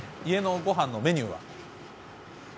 家のごはんのメニューは？